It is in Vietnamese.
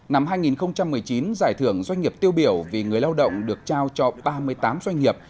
năm hai nghìn một mươi chín giải thưởng doanh nghiệp tiêu biểu vì người lao động được trao cho ba mươi tám doanh nghiệp